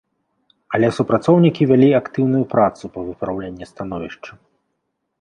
Але супрацоўнікі вялі актыўную працу па выпраўленні становішча.